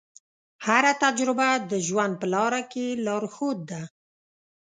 هره تجربه د ژوند په لاره کې لارښود ده.